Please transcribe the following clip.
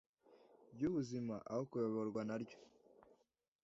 ryubuzima aho kuyoborwa na ryo